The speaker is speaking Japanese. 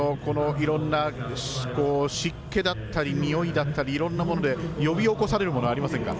いろんな湿気だったりにおいだったりいろんなもんで呼び起こされるものありませんか？